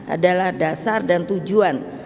adalah dasar dan tujuan